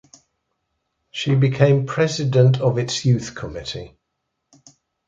She became president of its youth committee.